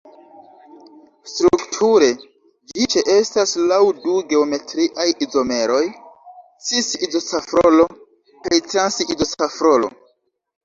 Strukture ĝi ĉeestas laŭ du geometriaj izomeroj, cis-izosafrolo kaj trans-izosafrolo.